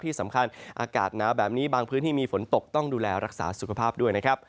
ที่สำคัญอากาศหนาวแบบนี้บางพื้นที่มีฝนตกต้องดูแลรักษาสุขภาพด้วยนะครับ